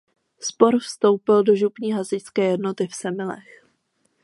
Sbor vstoupil do Župní hasičské jednoty v Semilech.